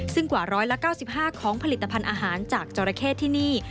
ซึ่งกว่า๑๙๕ของผลิตภัณฑ์อาหารจากจราเข้ที่นี่